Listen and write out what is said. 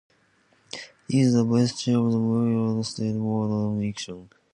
He is the Vice Chair of the Maryland State Board of Elections.